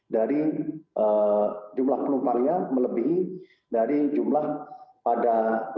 dari jumlah penumpangnya melebihi dari jumlah pada dua ribu sembilan belas